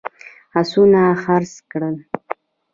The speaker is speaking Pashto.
آسونه خرڅ کړل.